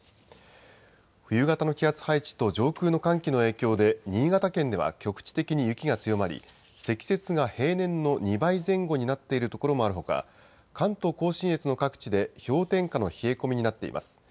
冬型の気圧配置と上空の寒気の影響で、新潟県では局地的に雪が強まり、積雪が平年の２倍前後になっている所もあるほか、関東甲信越の各地で氷点下の冷え込みになっています。